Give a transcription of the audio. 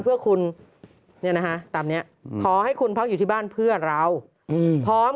เพื่อคุณเนี่ยนะฮะตามนี้ขอให้คุณพักอยู่ที่บ้านเพื่อเราพร้อม